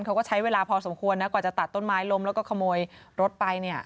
เขาก็ใช้เวลาพอสมควรนะกว่าจะตัดต้นไม้ล้มแล้วก็ขโมยรถไปเนี่ย